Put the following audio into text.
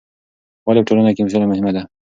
ولې په ټولنه کې سوله مهمه ده؟